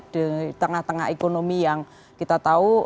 di tengah tengah ekonomi yang kita tahu